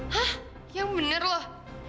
hah yang bener loh